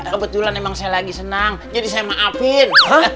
kebetulan emang saya lagi senang jadi saya maafin